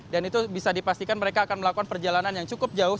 dan itu bisa dipastikan mereka akan melakukan perjalanan yang cukup jauh